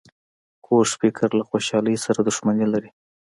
کوږ فکر له خوشحالۍ سره دښمني لري